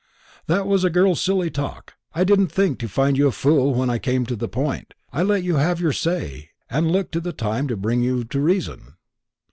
"That was a girl's silly talk. I didn't think to find you a fool when I came to the point. I let you have your say, and looked to time to bring you to reason.